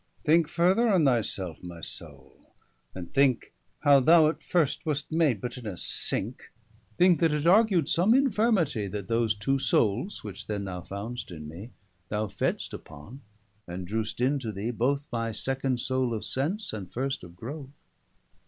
_] Thinke further on thy selfe, my Soule, and thinke How thou at first wast made but in a sinke; Thinke that it argued some infirmitie, That those two soules, which then thou foundst in me, 160 Thou fedst upon, and drewst into thee, both My second soule of sense, and first of growth.